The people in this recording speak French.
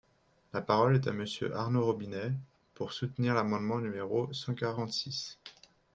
La parole est à Monsieur Arnaud Robinet, pour soutenir l’amendement numéro cent quarante-six.